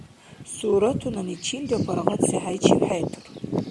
Суратунани чилра паргъатси хӀяйчив хӀетур.